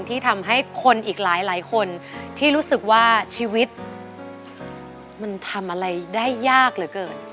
ที่ทำให้คนอีกหลายคนที่รู้สึกว่าชีวิตมันทำอะไรได้ยากเหลือเกิน